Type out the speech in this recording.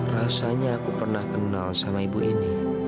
rasanya aku pernah kenal sama ibu ini